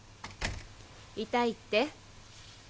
痛いって？